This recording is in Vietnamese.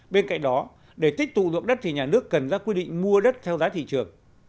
bên cạnh đó để tích tụ dụng đất thì nhà nước cần ra quy định mua đất theo giá thị trường